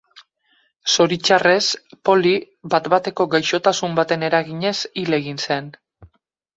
Zoritxarrez Poli bat-bateko gaixotasun baten eraginez hil egin zen.